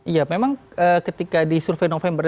iya memang ketika disurvei november